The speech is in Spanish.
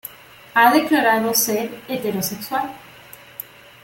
Ha declarado ser heterosexual.